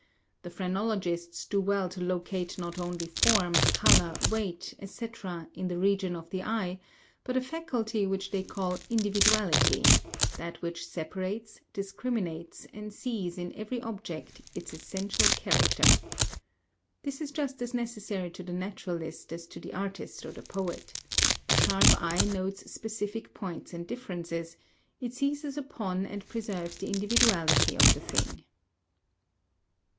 The phrenologists do well to locate not only form, color, weight, etc., in the region of the eye, but a faculty which they call individuality that which separates, discriminates, and sees in every object its essential character. This is just as necessary to the naturalist as to the artist or the poet. The sharp eye notes specific points and differences, it seizes upon and preserves the individuality of the thing.